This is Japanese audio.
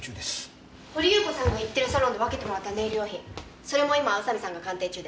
掘祐子さんが行ってるサロンで分けてもらったネイル用品それも今宇佐見さんが鑑定中です。